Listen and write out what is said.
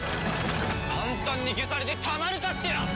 簡単に消されてたまるかっての！